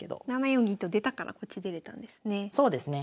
７四銀と出たからこっち出れたんですね。